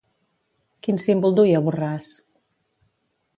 Quin símbol duia Borràs?